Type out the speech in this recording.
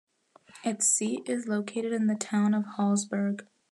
Its seat is located in the town of Hallsberg.